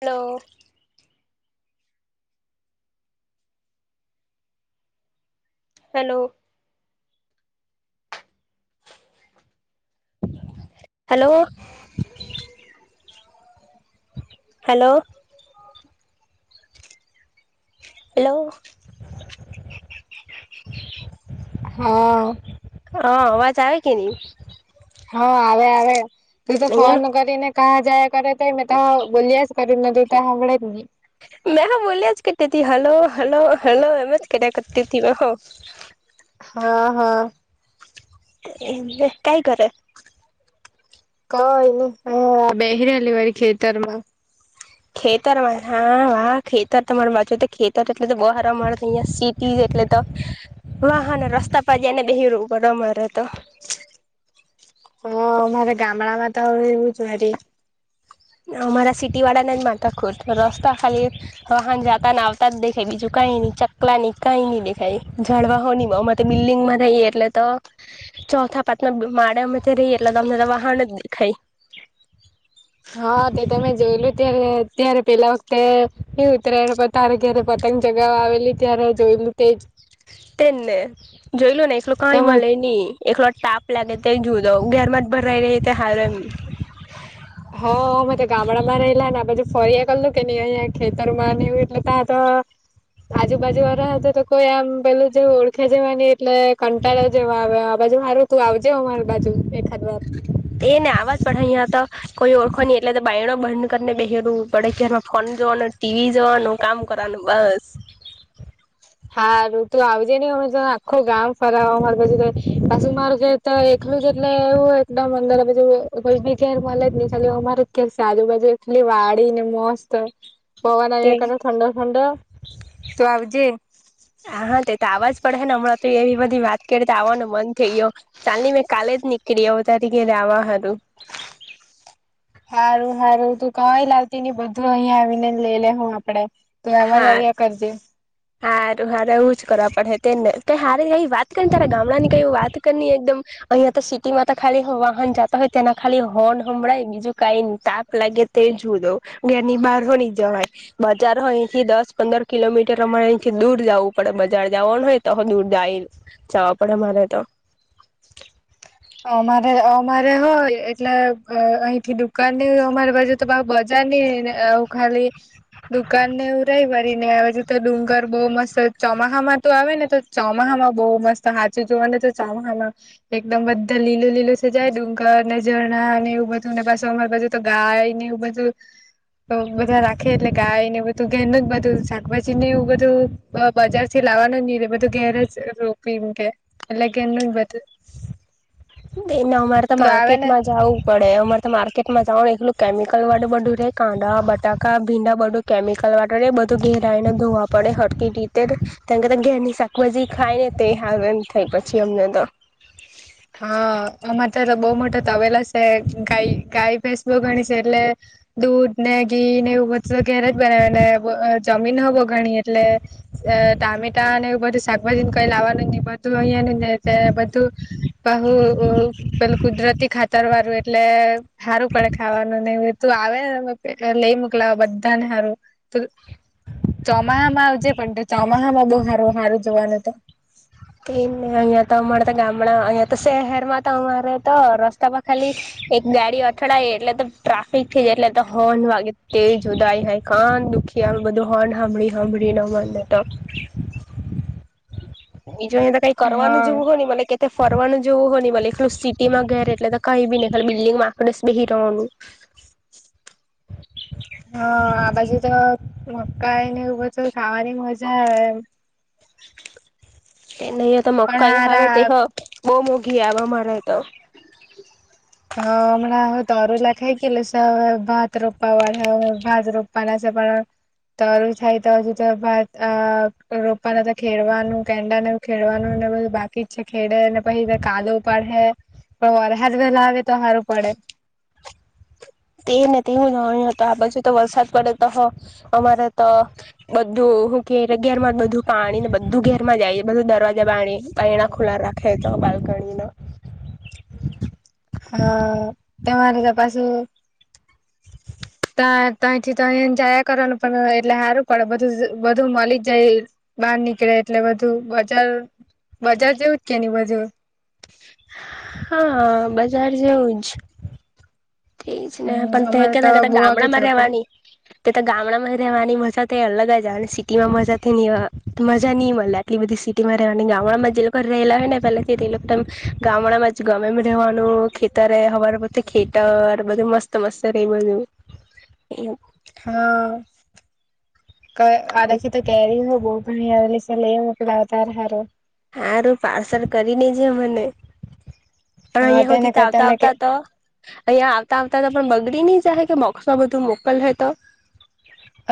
Hello hello hello hello [unintelligible] [inaudible] [inaudible] હા હ અવાજ આવે કે નહી. હા આવે આવે તું તો અહિયાં ફોન કરીને કાં જાયયા કરે ત મે તો બોલી્યાસ કરી ન તું ત સાંભળે જ નહી. મે હ બોલ્યા જ કેરતી તી હલો હલો હલો એમજ કેરયા કરતી તી [unintelligible] [inaudible] [unintelligible] હા, હા. એમ કંઈ કરે. કઈ ની બેહરી હલી વારી ખેતરમાં ખેતરમાં હા હા ખેતર તમાર વાંચું તો ખેતર એટલે તો બહાર મળ સીટી એટલે તો વાહન રસ્તા પર જ‌ઈને બેહી ર‌ઉ ઉપર અમારે તો [unintelligible] [inaudible] [inaudible] તમારે ગામડા માં તો એવું જરી. અમારા સિટી વાળા ના જ માથા કુટ રસ્તા ખાલી વાહન જતા આવતા જ દેખે બીજું કંઈ ની ચકલાની કંઈ નહી દેખાય, જાળવા હો માં તો બિલ્ડીિંગ માં રહીયે એટલે તો ચોથા પાંચના માળેમાં રહીએ એટલે અમને વાહન જ દેખાય. હા તે તમે જોયલું ત્યારે અત્યારે પેલા વખતે ઉતરાયણ પ તારે ઘ્યારે પતંગ ચગાવા આવેલી ત્યારે જોયલું તેજ તેને જોઈ લો નહીં. કંઈ તમા મળે નહી એકલો ટાપ લાગે તે જોદો ઘરમાં જ ભરાઈ રહી ત હાર એમ [unintelligible] હા મે તો ગામડામાં રેલા ને પછી ફરીયા કરેલું કે નહી અહિયાં યા ખેતરમાં નવ એટલે ત્યાં તો આજુબાજુ વાળા હતા તો કોઈ આમ પેલું જે ઓળખ્યા જવા નહીં, એટલે કંટાળા જવા આવે. જુ મારું તું આવજે, અમારી બાજુ દેખાય. એને આવાજ પણ અહીયા તો કોઈ ઓળખો નહીં, એટલે તો બનો. બંધ કરીને બેહેરું પડે ઘરમાં ફોન જોવાનું ટીવી જોવાનું કામ કરવાનું બસ [unintelligible] હારું તો આવજે નને અમે તો આખો ગામ ફરવ અમારે પછી તો, પાછુ મારું એટલે એવું એકદમ અંદર કોઈ બી ઘેર મળે જ ન ચાલે અમારે જ કેેર આજુબા એટલી વાડીને મસ્ત, પગન તે એકતા થડ ફંદ તું આવજ. હા તે તો આવાજ પડે ને હમણાં તો એવી બધી વાત કરી તો આવવાનું મન થઈ ગયો, ચાલની મેં કાલે જ નીકળી આવ તારી ઘ રવા હારું. સારું સારું તું કવાય લાવતી ને બધું અહિયાયા આવીને લઈ લે હું આપડે. તો એમાં જ આવ્યા કરજે. સારું હાર એવું જ કરવા પડે તેને હ વાત કરી તા ગામડાની કઈ વાત કરી એકમ અહિયાયા તો સિટીમાં તો ખાલી વાહન જતા હોય તેના ખાલી હોર્ન સંભળાય બીજું ક તાપ લાગ તે જુ દઉ ઘેરની બાર હો જવાય, બજાર હોય અહીથી દસ પંદર કિલોમીટર રેથી દૂર જવું પડે બજાર જવાનું હોય તો દૂર જાય, જવા પડે મારે તો. [inaudible] અમારે અમારે હોય એટલે અહી થી દુકાન અમારેજે તો બજાર ખાલી દુકાન ને ઉુરાઈ ભરી ને આવે છે તો ડુંગર બઉુ મસ્ત ચોમાસા માં તો આવે ને તો ચોમા બહુ મસ્ત હાચ જોવાને તો ચામામાં, એકદમ ત લીલોું લીલોું સજાય ડુંગર ને ઝણા ને એવું બધું પાછ અમારી પાછું તો ગાય ને એવું બધું. બધા રાખે એટલે ગાય ને બધું ગ ન જ બધું શાકભાજી ને એવું બધું બજાર થી લાવવાનું ની બધું ઘેર જ રોપીમ કે એટલે ઘેર ન બધું. એને અમારે તો તું આવે ને માર્કેટમાં જવું પડે અમારે તો માર્કેટ મજાનું એકલું કેમિકલ વાટર બધું રે કાંદડા બટાકા ભીંડા બધું કેમિકલ વાટર બધું ઘેર ને ધોવા પડે હકી રીતે કે ઘેરની શાકભાજી ખાય ને તે હ થાય પછી. અન્યદ [unintelligible] હા અમારે તો તો બહ મોટો તવેલ છે ગાય ગાય ફેસબુ ગણી છે, એટલે મેગી ને એવું બધું તો ઘેરે જ બનાવે ને જમીન હો બો ગણી એટલે ટામેટા અને એવ બધું શાકભાજી કઈ લાવવાનું ન બધું અહિયાં ન બધું બહુ પેલું કુદરતી ખાતર વાળું એટલે સારું પડે ખાવાનું નહિ. તું આવેને તમે લઈ મોકલાવા બધાને સારું, ત ચોમાસામાં આવજે પણ ચોમાસામાં બહુારું સારું જોવાનું તો. એ અયા તો અમારે તો ગામડા અહયા તો શહેરમાં તો અમારે તો રસ્તા તો ખાલી એક ગાડી અથડાય એટલે તો ટ્રાફિક થી જાય એટલે તો હોર્ન વાગે તે જુદાઈ આય હાય ી બધું હોન સાંભળી સાંભળી ન મને તો. બી જો અ કઈ કરવાનું જ હા જોવું હોય ને મ કે ફરવાનું જોવું હો ને મલે એટું સિટીમાં ઘેરે એટલે તો કઈ બી નહી. બિલ્ડીિંગ માકડ બહી રહનું. હા આ બાજુ તો મક્કાાયનેર તો ખાવાની મજા આવે એમ. એ ન અહયા તો પણ મકા આવે ત હારા બહ મોઘી આવેમારે તો. હ હમણાં હ તરોલા ખાઈ ગય લ ભાત રોપવા વાળ્યા ભાત રોપવાના [unintelligible] તરું થાય તો હજુ તો ભાત રોપવાનાતા ખેડવાનું કેંડાનેવું ખેડવાનું બધા બાકી જ છે ખેડેને પછી કાદો ઉપાડે પણ વરહાદ વેલા આવે તો હારું પડે. તેઉ ને તેવું હોય હતું આ પછી તો વરસાદ પડે તો અમારે તો બધું- બહુ ઘેર ઘેર માં બધું પાણી ને બધું ઘેર માં જાય બધું દરવાજા બાણી બારના ખુલા રાખે તો બાલ્કણી ના. હા તમારે તો પાછું તા તા થી તાય જાયા કરવાનું પણ એટલે સારું પડેું બધું મળી જાય બહાર નીકળે એટલે બધું બજાર બજાર જેવું જ કે ની બધું. હા બજાર જેવું તેજ ને હમ પણ તે અમારે તો કતા કતા બહુ વાગે ગામડા માં જવું પડે રહેવાની. તે તો ગામડામાં રહેવાની મજા તો અલગ જ આવે સિટી માં મજા થી મજા નહી મળે આટલી બધી સિટીમાં રહેવાની ગામડામાં જે લોકો રહેલા હોય ને પેલા ગામડામાં જ ગમે રહેવાનુ ખે ખેતા ર હવા બધી ખેતર બધું મસ્ત મસ્ત ર બધું [inaudible] હા ક આદાખી તો કેરી હો બોવ પણણી આવે સલા એ મુકદ આવતાાર હારુ. હારું પાર્સલ કરીનેજ મને. પણ હા અહિયાયા હ તેને જીતે કરતા આવતા મેં કે આવતા તો અહિયાં આવતા આવતા તો બગડી ન જહે કે મોક્ષમાં બધું મોકલ હો તો.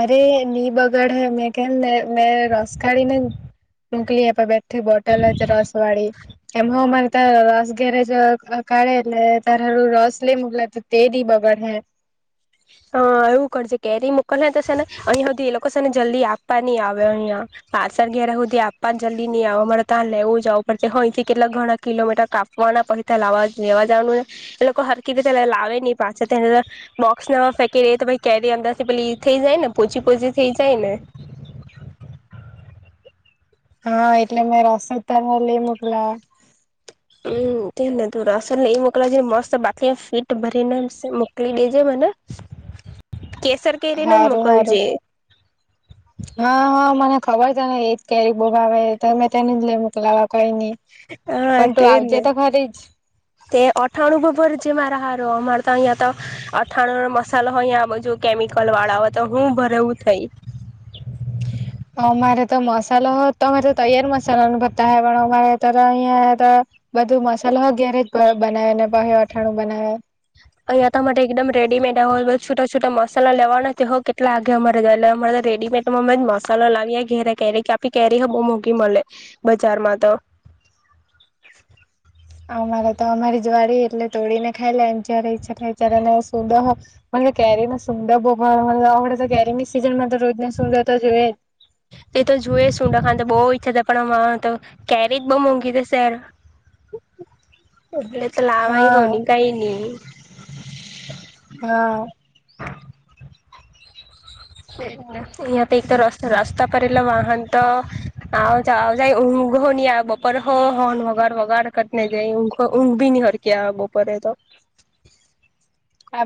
અરે ની બગાડ મેં કેલ ને મેં રસ કાઢીને મોકલી આપ બે. એઠ બોટલ છે રસ વાળી. એમ હ માર ત રસ ગેરેજ કાળ એ તારું રોસ લ મુગલા તે દ બગ હે હા, એવું કરજ કેરી મોકલ તશે ને અહીં સુધી લોકો ને જલ્દી આપવા નહ આવે અહં પાછળ ઘ્યરે સુધી આપવા જલ્દી નહી આવે અમારે ત્યા લેવું જાવુ અથી કેટલા ઘણા કિલોમીટર કાપવાના પ લવા લેવા જવાનું એ લોકો હરકી રીતે, આવે નહી પાછા તેને બોક્સ ના ર તો ભ ક્યારે અમદાથી પછલી થઈ જાય ને પોહચી પોહચી થઇ જાય, ને [inaudible] હા, એટલે મે રસોદ ત લઈ મોકલા. હમ્મ કેને તોડા અસલ ને એ મોકલાજ મસ્ત બાકી ફીટ ભરીને મોકલી દેજ મને કેસર કેરી જ હારું હારું મોકલજે હા હા મને ખબર છે, ને એજ કેરી બોુ ભ આવે મેં તેની જ મોકલાવા કઈ નઈ હા પણ તો તું એજ ને આવજે ખરી જ તે અઠાણું બબર જે મા રા અમારે તો અહીયાયા તો અથાણ નો મસાલો હોય અં બધુ કેમિકલ વાળા હોય, તો હું ભરેવું થઈ [unintelligible] અમારે તો મસાલો તો અમારે તો તૈયાર મસાલા ન પતા હ પણ અમારે તો અહિયાં, બધું મસાલા ઘેરે જ બનાવે ને પછ અથાણું બનાવે, અહીંયાં માટે એકદમ રેડીમેડ આવ હોય છૂટા છૂટા મસાલા લેવાના હોય, કેટલા આગે અમારે રેડીમેટ માં જ મસાલો લાવી ઘેરે કેરી કે આપી, કેરી હ બહ મોઘી મળે બજારમાં તો [unintelligible] અમારે તો અમારી જ વાળ એટલે તોડી ને ખાઈ લે જય્યારે ઈચ્છા થાય, ત્યારે સદ કેરીમાં સુંદર ભોગવા મ આવડે તો કેરીની સિઝનમાં તો રોજને સુંદર તો જોઈએ, જ છતાં પણ તો કેરીજ બઉુ મોંઘી તોશેેર એગલે તો લાવાઈ હા હોની કઈ નહી, હા યા પ એક તો રસ્ રાસ્તા પલા વાહન તો આવ જાય ઊંઘ ની આ બપોરે હોન વગાર વગાર કટને જાય ઊંઘ ઊંઘ ભી નની હરકી બપોરે તો. [unintelligible]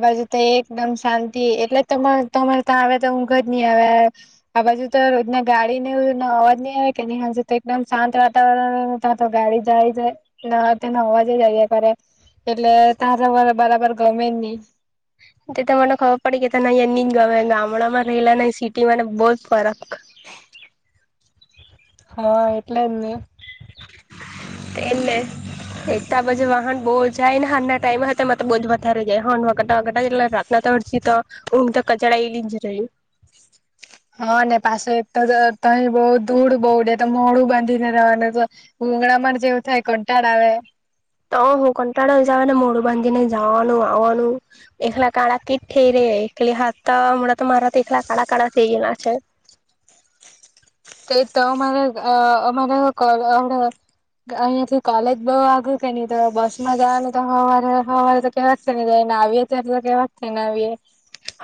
આ બાજુ તો એકદમ શાંતિ એટલે તમારે ત્યાં આવે તો ઊઘ જ નહી, આવે આ બાજુ તો ગાડી ને અવાજ નહી આવે કે નહી, હ તો એકદમ શાંત વાતાવરણ તં તો ગાડી જાય જ તે નવ વાજે જઈએ ઘરે. એટલે તારાર બરાબર ગમે નહી. તે તો મને ખબર પડી કે નહી એની ગામડામાં રહેલા ન સિટીમાંને બહુ જ ફરક. હા એટલેમને. તે એલે. [unintelligible] એકટ બે વાહન બહુ જાય ને હારના ટાઈમે મ બ જ વધારે જાય હન વગાતા વગ એટલે રાત. તછ તો ઊંઘ તો કચડા એલી જ રહી. હા અનેને પાસે તો તહી બઉ દૂળ બહુે તો મોડું બાંધીને રવા ને તો. ડુંગળમાં જેવું થાય કંટાળ આવે. તો હું કંટાળો હિસાબ ને મોડું બાંધીને જાવાનું આવનું એખલા કાળ કીટઈ રેય. એકલી હાથ હમણાં તો મારા તો એકલા કાળા કાળા થઈ ગલા છે. તે તો અમારા અમારા. [unintelligible] અહીિયાયા થી કોલેજ બહુ વાગ્યું કે નહી તો બસ માં જવા તો હવારે હવારે તો કેવા છે ને જાય. નાવી એ ત તો કઈ વાતત નાવી એ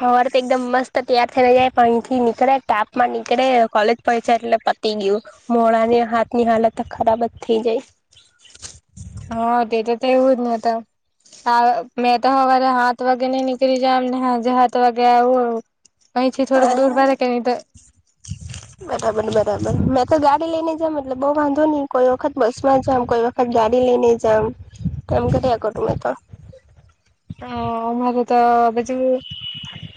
હવાર તો એકદમ મસ્ત તૈયાર થઈ જાય પાણીથી નીકળે ટાપ માં નીકળે. કોલેજ પડ છે એટલે પ ટી ગયું મોડા ને હાથ ની હાલત ખરાબ જ થઈ જાય. હા તે તો તો એવું જ નહી. હા મેં તો સવારે હાથ વાગે નઈ નીકળી જ અમને હજે હાથ વાગે આવું પહી થી થોડક દૂર જાય બરા કે નહી તો [unintelligible] બરાબર બરાબર મેં તો ગાડી લઈ ને જમ એટલે બઉુ વાંધો નહી કોઈ વખત બસ માં જામ કોઈ વખત ગાડી દિલ્હી ન જામ એમ કેથી આકો તુંમે તો હ મા તો તો એજું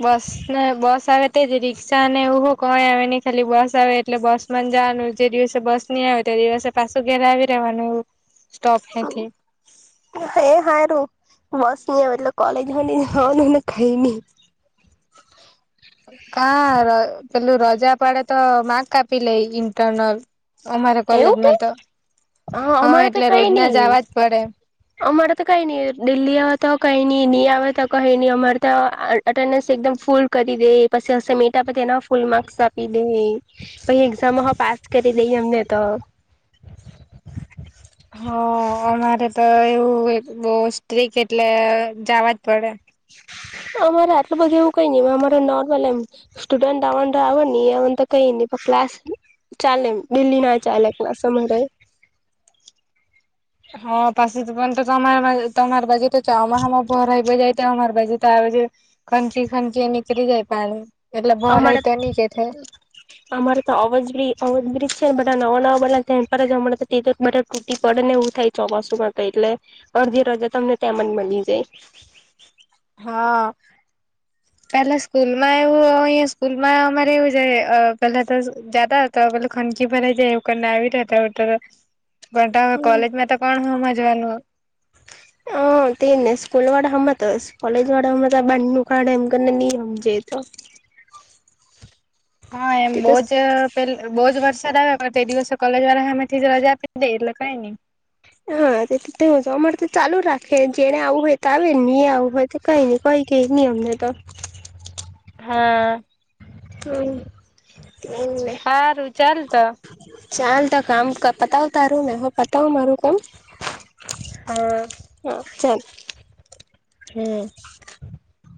બસ ને બસ આવે તેજ રીક્ષા ને એવું કોય આવે નહી ખાલી બસ આવે એટલે બસ માં જવાનું જે દિવસે બસ ની આવે તે દિવસે પાછું ઘેરે આવી રવાનું સ્ટોપ હૈથી એ હારું બસ એટલે કોલેજમાં નનુંને ખઈ નહી. હા પેલું રજા પડે તો માક આપપી લે ઇન્ટરનલ અમારા એવું તે કોલેજમાં તો હા અમારા તો એટલે કઈ રોજના નઈ જવા જ પડે અમારા તો કઈ નઈ દિલ્હી આવવા તો કઈ નઈ નહી આવે તો કહી નહી અમારે ત્યા અટેન્ડન્સ એકદમ ફૂલ કરી દે પછી હ મટા પછી. એ ફૂલ માર્ક્સ આપી દે પછ એક્ઝામ પાસ કરી દઈ અમને તો [unintelligible] હ અમારે તો એવું સ્ટ્રીક એટલે જવાજ પડે. અમારે આટલું બધું એવું કઈ નહી અમારે નોર્મલ એમ સ્ટુડન્ટ આવ આવે એ ક ન ક્લાસ ચાલે દિલ્હી ના ચાલે ક્લાસ. [inaudible] હ પાછથી પણ તો તમાર તમાર બાજે તો ચમામાં પરાઈવે જાય તો અર બાજ ત બજ ખનકી ખનકી એમ કરી જાય પા અમા અમારે તો અવજ બ અવજ બજ છેને ન નવા બદલા પર જ હમણા તેા તૂટી પડે નેવું થાય ચોમાસુમાં તો એટલે જે જ તમને ત્યાં જ મળી હા. પેલા સ્કૂલ માં એવું અહીં સ્કૂલમાં અમારે એવું છે પેલા તો જતા હતા. ખંગી ભરાઈ જાય એવુંને આવી રહ્યા હતા તો પણ જાય. કોલેજ માં તો કોણ હોમાં જવાનું [unintelligible] હ તે ને સ્કૂલ વાળા હમ તો કોલેજ વાળા હમ બનું કારાડ એમ કરીને ન સમજ તો. [inaudible] હા એમ તે બહજ તો પે બહજ વર્ષ દા કરતા દિવસે કોલેજ વાળા હમેથી રજા આપી દે એટલે કઈ નને હાવું અમારે તો ચાલુ જ રાખે જેને આવું હોય તો આવે નહી આવ હવે તો કઈ ન કોઈ કઈ ન અમને તો હા. હમ્મ. હારું ચાલ તો ચાલ ત કામ પતાવ તારું મેને હ પતાવ મારું કામ હા હા ચાલ. હમ્મ. [inaudible]